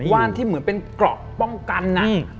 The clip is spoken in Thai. ว่านที่เหมือนเป็นเกราะป้องกัน